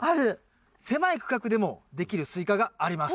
狭い区画でもできるスイカがあります。